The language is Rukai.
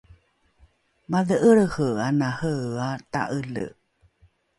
madhe’elrehe ana reea ta’ele